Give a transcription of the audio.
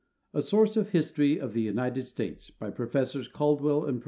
"A Source History of the United States" BY PROFESSORS CALDWELL AND PERSINGER.